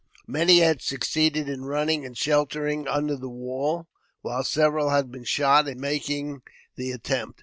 Many had succeeded in running and sheltering under the wall, while several had been shot in making the attempt.